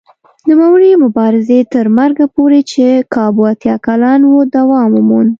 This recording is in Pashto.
نوموړي مبارزې تر مرګه پورې چې کابو اتیا کلن و دوام وموند.